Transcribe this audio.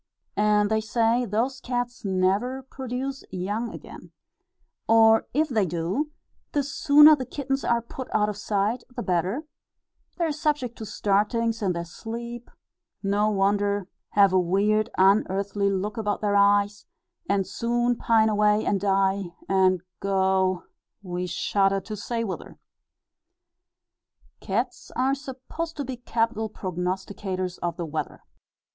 And, they say, those cats never produce young again; or, if they do, the sooner the kittens are put out of sight the better; they are subject to startings in their sleep no wonder have a weird unearthly look about their eyes, and soon pine away, and die, and go we shudder to say whither. Cats are supposed to be capital prognosticators of the weather.